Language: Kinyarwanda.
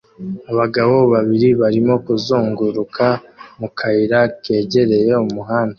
Abagabo babiri barimo kuzunguruka mu kayira kegereye umuhanda